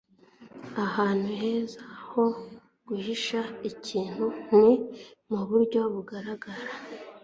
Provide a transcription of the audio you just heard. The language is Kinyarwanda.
Ahantu heza ho guhisha ikintu ni muburyo bugaragara.